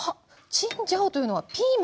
チンジャオというのはピーマン。